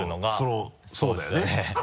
うんそうだよね。